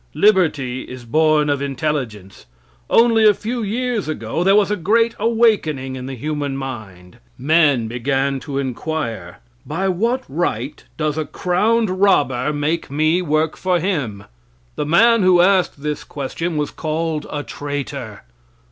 Liberty is born of intelligence. Only a few years ago there was a great awakening in the human mind. Men began to inquire, By what right does a crowned robber make me work for him? The man who asked this question was called a traitor.